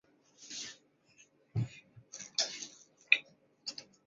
索朗贡布是他们的第一个孩子。